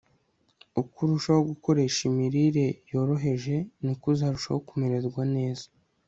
uko urushaho gukoresha imirire yoroheje, ni ko uzarushaho kumererwa neza